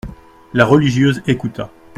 La religieuse écouta.